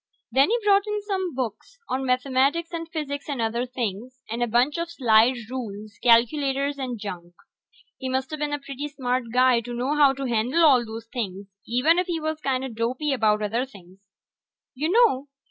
Then he brought in some books on mathematics and physics and other things, and a bunch of slide rules, calculators, and junk. He musta been a pretty smart guy to know how to handle all those things, even if he was kinda dopey about other things. You know